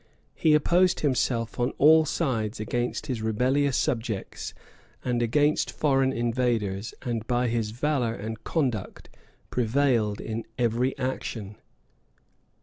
He opposed himself on all sides against his rebellious subjects, and against foreign invaders; and by his valor and conduct prevailed in every action.